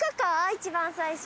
一番最初。